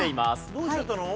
どうしちゃったの？